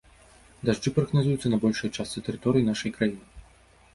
Дажджы прагназуюцца на большай частцы тэрыторыі нашай краіны.